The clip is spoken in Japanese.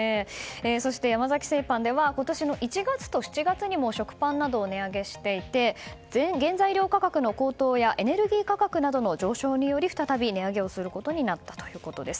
そして、山崎製パンでは今年の１月と７月にも食パンなどを値上げしていて原材料価格の高騰やエネルギー価格などの上昇により再び値上げをすることになったということです。